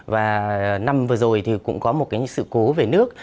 và năm vừa rồi thì cũng có một cái sự cố về nước